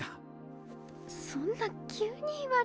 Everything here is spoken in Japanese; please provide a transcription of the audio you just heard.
そんな急に言われても。